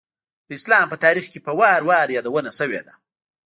د اسلام په تاریخ کې په وار وار یادونه شوېده.